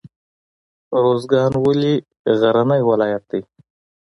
ارزګان ولې غرنی ولایت دی؟